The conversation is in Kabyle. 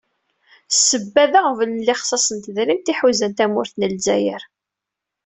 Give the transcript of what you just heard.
Ssebba, d aɣbel n lexṣas n tedrimt, i iḥuzan tamurt n Lezzayer.